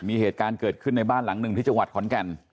มีเหตุการณ์เกิดขึ้นในบ้านหลังหนึ่งที่จังหวัดขอนแก่น